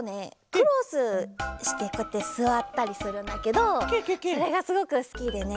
クロスしてこうやってすわったりするんだけどそれがすごくすきでね。